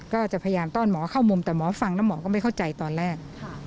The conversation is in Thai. ก็จะพยายามต้อนหมอเข้ามุมแต่หมอฟังแล้วหมอก็ไม่เข้าใจตอนแรก